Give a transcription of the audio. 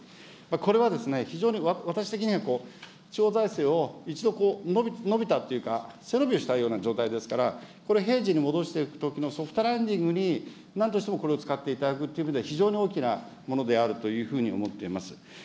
これは非常に私的には、地方財政を一度、伸びたというか、背伸びをしたような状態ですから、これは平時に戻していくときのソフトランディングに、なんとしてもこれを使っていただくという意味では非常に大きなものであるというふうに思っております。